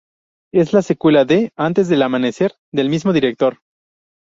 Es la secuela de "Antes del amanecer" del mismo director.